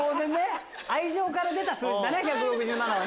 愛情から出た数字だね１６７は。